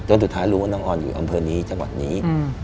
สุดท้ายรู้ว่าน้องออนอยู่อำเภอนี้จังหวัดนี้